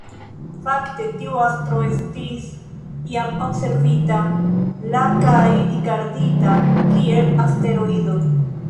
Fakte, tiu astro estis jam observita la kaj rigardita kiel asteroido.